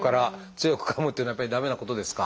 「強くかむ」っていうのはやっぱり駄目なことですか？